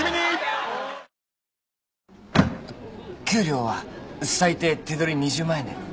給料は最低手取り２０万円で。